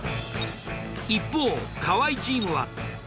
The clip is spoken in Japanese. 一方河合チームは。